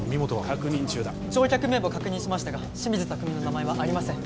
確認中だ乗客名簿確認しましたがシミズタクミの名前はありません